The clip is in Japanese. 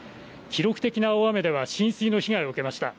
記録的な大雨では、浸水の被害を受けました。